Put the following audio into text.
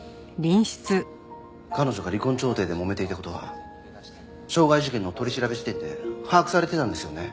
彼女が離婚調停でもめていた事は傷害事件の取り調べ時点で把握されてたんですよね？